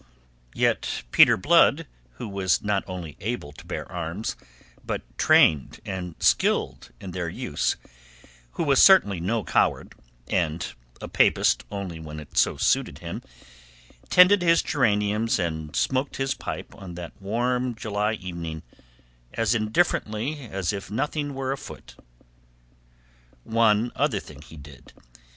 Yet Peter Blood, who was not only able to bear arms, but trained and skilled in their use, who was certainly no coward, and a papist only when it suited him, tended his geraniums and smoked his pipe on that warm July evening as indifferently as if nothing were afoot. One other thing he did.